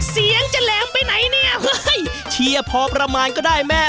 เสียงจะแหลมไปไหนเนี่ยเฮ้ยเชียร์พอประมาณก็ได้แม่